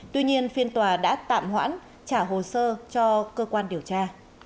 tuy nhiên phiên tòa đã tạm hoãn trả hồ sơ cho cơ quan điều tra